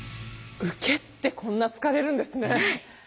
受けってこんな疲れるんですね。